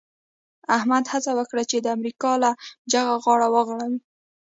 احمد هڅه وکړه چې د امریکا له جغه غاړه وغړوي.